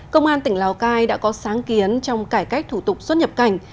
công an tỉnh lào cai đã có sáng kiến trong cải cách thủ tục xuất nhập cảnh